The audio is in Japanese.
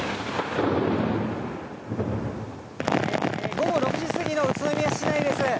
午後６時過ぎの宇都宮市内です。